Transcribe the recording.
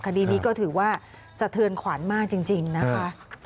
คดีนี้ก็ถือว่าสะเทือนขวัญมากจริงนะคะ